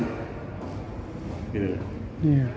masih bisa seterumah dengan terduga pelaku